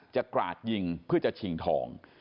กราดยิงเพื่อจะชิงทอง